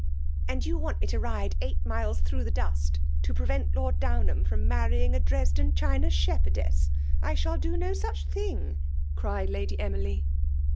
And you want me to ride eight sdks tiuBongh the dost, to prevent Lord Dovnlmn fieom marrpng a Dresden Chma shepherdew ? I shall do no snch thing!*' cried Lady Emily.